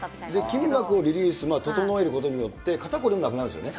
筋膜をリリース、整えることによって、肩凝りもなくなるんですよね。